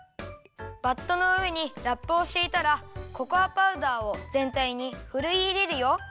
バットのうえにラップをしいたらココアパウダーをぜんたいにふるいいれるよ。